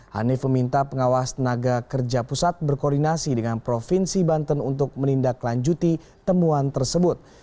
hanif meminta pengawas tenaga kerja pusat berkoordinasi dengan provinsi banten untuk menindaklanjuti temuan tersebut